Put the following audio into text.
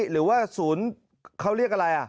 หรือว่าศูนย์เขาเรียกอะไร